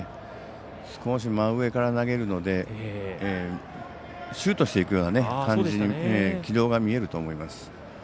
少し真上から投げるのでシュートしていくような感じに軌道が見えると思います。